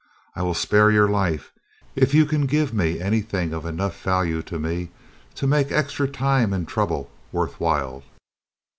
I will spare your life, if you can give me anything of enough value to me to make extra time and trouble worth while."